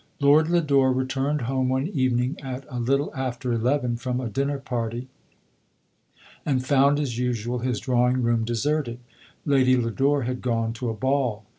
Lord Lodore returned home one evening at a little after eleven, from a dinner party, and found, as usual, his drawing room deserted — Lady Lodore had gone to a ball.